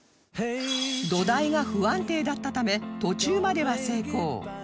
土台が不安定だったため途中までは成功